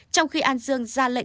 trong khi an dương ra lệnh người dân